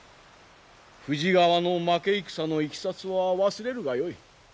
富士川の負け戦のいきさつは忘れるがよい。